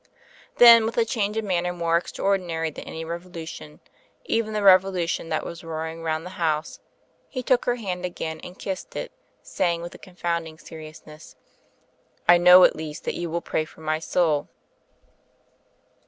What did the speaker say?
Then, with a change of manner more extraordinary than any revolution, even the revolution that was roar ing rotmd the house, he took her hand again and kissed it, saying, with a confounding seriousness, "I know at least that you will pray for my soul."